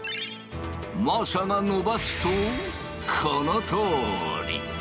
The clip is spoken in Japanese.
政がのばすとこのとおり！